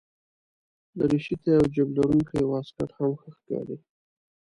دریشي ته یو جېب لرونکی واسکټ هم ښه ښکاري.